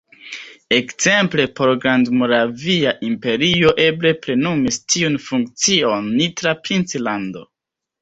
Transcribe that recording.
Ekzemple por Grandmoravia imperio eble plenumis tiun funkcion Nitra princlando.